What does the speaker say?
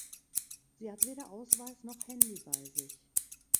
Sie hat weder Ausweis noch Handy bei sich.